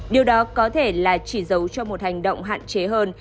điều đó có thể là chỉ giấu cho một hành động hạn chế hơn